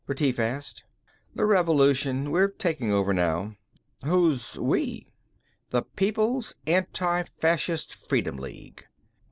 Retief asked. "The revolution. We're taking over now." "Who's 'we'?" "The People's Anti Fascist Freedom League."